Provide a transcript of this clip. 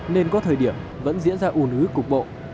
nên có thời điểm vẫn diễn ra ủ nứ cục bộ